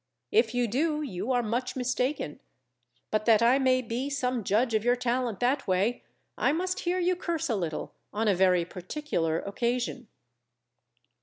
If you do you are much mistaken; but that I may be some judge of your talent that way, I must hear you curse a little, on a very particular occasion.